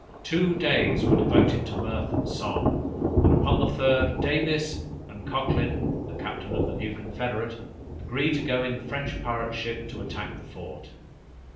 Two days were devoted to mirth and song, and upon the third, Davis and Cochlyn, the captain of the new confederate, agreed to go in the French pirate ship to attack the fort.